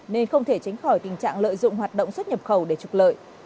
nên không thể tránh khỏi tình trạng lợi dụng hoạt động xuất nhập khẩu để trục lợi